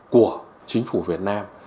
của chính phủ việt nam